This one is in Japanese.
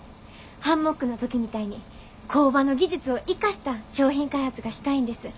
ハンモックの時みたいに工場の技術を生かした商品開発がしたいんです。